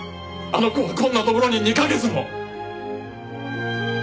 あの子をこんな所に２カ月も！